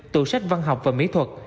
tù sách văn học và mỹ thuật